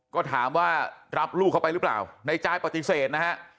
ก็ถามว่ารับลูกเขาไปหรือเปล่าในจายปฏิเสธนะฮะ